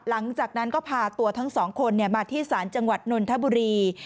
หลังจากนั้นก็พาตัวทั้งสองคนมาที่ศาลจังหวัดนนทบุรี